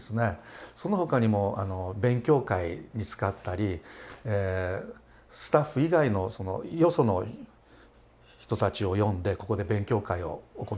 その他にも勉強会に使ったりスタッフ以外のよその人たちを呼んでここで勉強会を行ったりしてます。